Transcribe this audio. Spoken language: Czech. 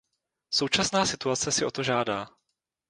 Současná situace si to žádá.